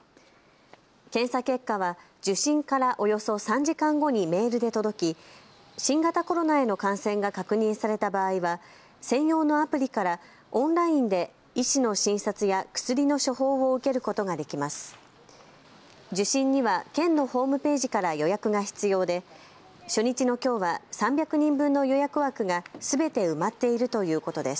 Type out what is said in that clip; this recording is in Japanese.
検査結果は受診からおよそ３時間後にメールで届き新型コロナへの感染が確認された場合は専用のアプリからオンラインで医師の診察や薬の処方を受けることができます。